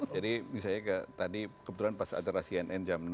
jadi misalnya tadi kebetulan pas ada rasian jam enam